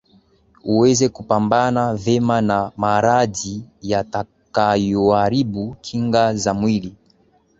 uweze kupambana vema na maradhi yatakayoharibu kinga za mwili